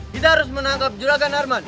kita harus menangkap juragan arman